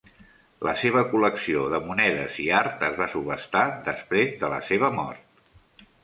La seva col·lecció de monedes i art es va subhastar després de la seva mort.